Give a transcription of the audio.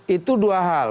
itu dua hal